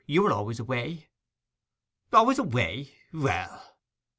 You are always away!' 'Always away? Well